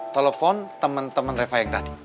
telepon temen temen reva yang tadi